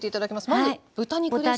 まず豚肉ですが。